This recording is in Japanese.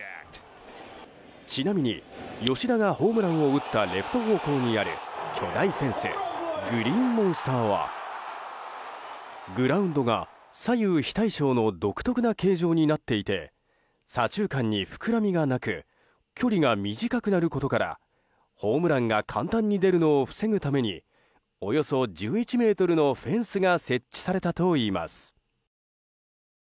ちなみに吉田がホームランを打ったレフト方向にある巨大フェンスグリーンモンスターはグラウンドが左右非対称の独特な形状となっていて左中間に膨らみがなく距離が短くなることからホームランが簡単に出るのを防ぐためにおよそ１１ｍのフェンスが設置されたといいます。